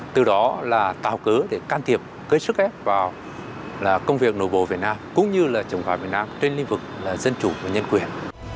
từ đó là tạo cớ để can thiệp cưới sức ép vào công việc nội bộ việt nam cũng như là chủng hòa việt nam trên lĩnh vực dân chủ và nhân quyền